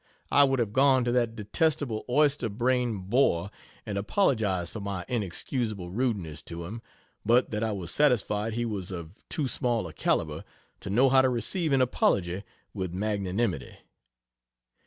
I would have gone to that detestable oyster brained bore and apologized for my inexcusable rudeness to him, but that I was satisfied he was of too small a calibre to know how to receive an apology with magnanimity.